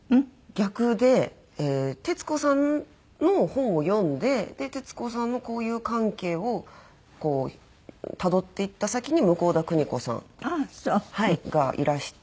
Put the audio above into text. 逆で徹子さんの本を読んで徹子さんの交友関係をたどっていった先に向田邦子さんがいらして。